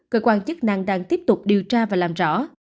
cơ quan chức năng đang tiếp tục điều tra và làm rõ